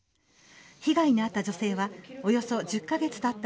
被害の遭った女性はおよそ１０カ月たった